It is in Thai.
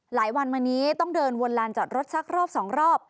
หลายวันมานี้ต้องเดินวนลานจอดรถสักรอบสองรอบ